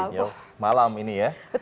oh di new york malam ini ya